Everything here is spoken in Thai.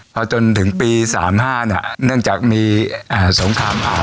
พอจนถึงปีสามห้าเนี้ยเนื่องจากมีอ่าสงครรภ์อ่า